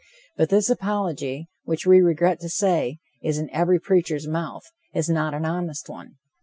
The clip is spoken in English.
But this apology, which, we regret to say, is in every preacher's mouth, is not an honest one.